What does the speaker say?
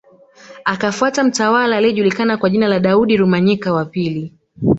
Akafuata mtawala aliyejulikana kwa jina la Daudi Rumanyika wa pili